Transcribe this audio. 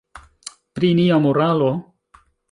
Pri nia moralo?